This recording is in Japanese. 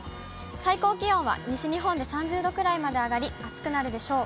最高気温は、西日本で３０度ぐらいまで上がり、暑くなるでしょう。